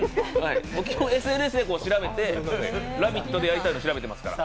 基本、ＳＮＳで、「ラヴィット！」でやりたいの調べてますから。